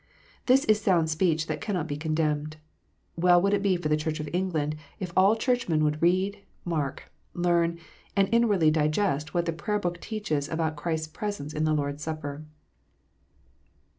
This is sound speech that cannot be condemned. Well would it be for the Church of England if all Churchmen would read, mark, learn, and inwardly digest what the Prayer book teaches about Christ s presence in the Lord s Supper.